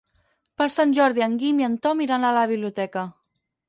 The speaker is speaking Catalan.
Per Sant Jordi en Guim i en Tom iran a la biblioteca.